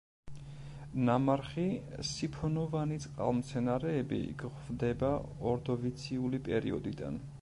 ნამარხი სიფონოვანი წყალმცენარეები გვხვდება ორდოვიციული პერიოდიდან.